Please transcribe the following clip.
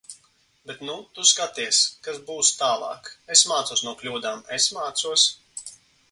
Bet nu, tu skaties... kas būs tālāk... Es mācos no kļūdām. Es mācos.